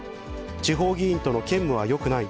地方議員との兼務はよくない。